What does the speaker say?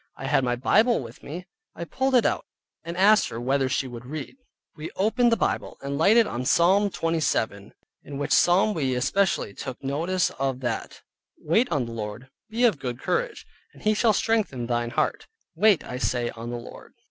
I had my Bible with me, I pulled it out, and asked her whether she would read. We opened the Bible and lighted on Psalm 27, in which Psalm we especially took notice of that, ver. ult., "Wait on the Lord, Be of good courage, and he shall strengthen thine Heart, wait I say on the Lord."